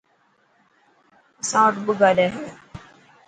اسان وٽ ٻه گاڏي هي.